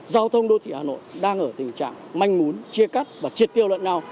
giao thông đô thị hà nội đang ở tình trạng manh mún chia cắt và triệt tiêu lợn nào